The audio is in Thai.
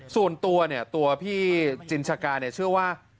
ส่วนตัวตัวพี่จิญชกาเชื่อว่า